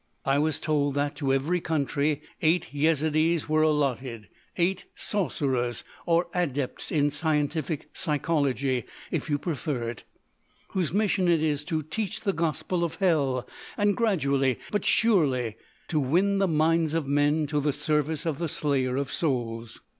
"I was told that, to every country, eight Yezidees were allotted—eight sorcerers—or adepts in scientific psychology if you prefer it—whose mission is to teach the gospel of hell and gradually but surely to win the minds of men to the service of the Slayer of Souls.